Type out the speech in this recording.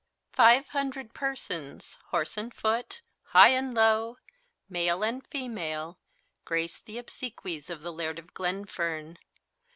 Five hundred persons, horse and foot, high and low, male and female, graced the obsequies of the Laird of Glenfern.